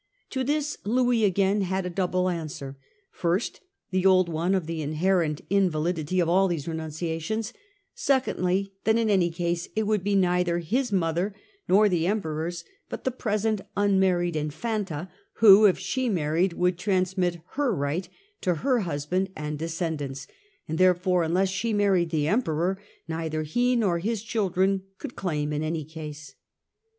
To this Louis again had a double 1 662. The Claims of Louis XIV \ on Spain. 107 answer : first, the old one of the inherent invalidity of all these renunciations ; secondly, that in any case it would be neither his mother nor the Emperor's, but the present unmarried Infanta who, if she married, would transmit her right to her husband and descendants ; and, therefore, unless she married the Emperor, neither he nor his children could claim in any case.